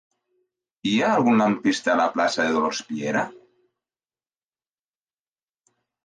Hi ha algun lampista a la plaça de Dolors Piera?